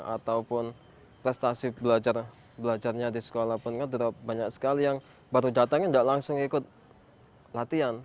ataupun prestasi belajarnya di sekolah pun kan banyak sekali yang baru datangnya tidak langsung ikut latihan